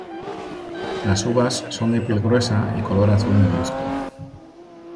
Las uvas son de piel gruesa y color azul negruzco.